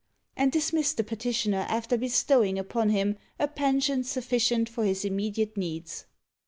and dismissed the petitioner after bestow ing upon him a pension sufficient for his immediate needs.